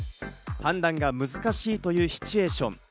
判断が難しいというシチュエーション。